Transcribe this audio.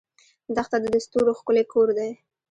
دښته د ستورو ښکلی کور دی.